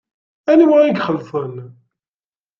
Anwa i ixelṣen?